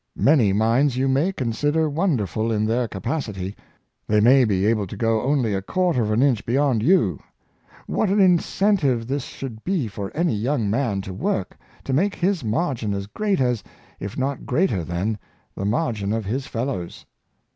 Many minds you 'may consider wonderful in their capacity. They may be able to go only a quarter of an inch beyond you. GarfielcTs College Days. 249 What an incentive this should be for any young man to work, to make his margin as great as, if not greater than, the margin of his fellows